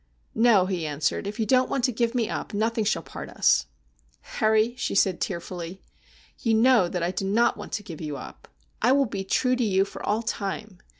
' No,' he answered, ' if you don't want to give me up, nothing shall part us.' ' Harry,' she said tearfully, 'you know that I do not want to give you up. I will be true to you for all time.